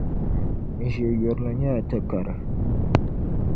N ʒe yurili nyɛla tukari.